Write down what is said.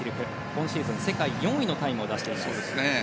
今シーズン世界４位のタイムを出しています。